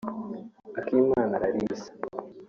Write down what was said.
Akimana Larissa